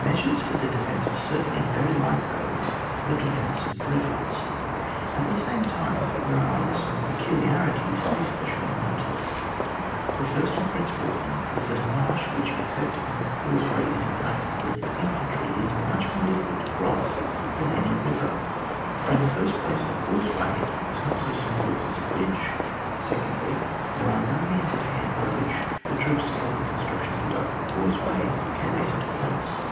Measures for their defence are certainly very like those for the defence of rivers, at the same time there are some peculiar ties to be specially noticed. The first and principal one is, that a marsh which except on the causeway is impracticable for infantry is much more difficult to cross than any river; for, in the first place, a causeway is not so soon built as a bridge ; secondly, there are no means at hand by which the troops to cover the construction of the dyke or causeway can be sent across.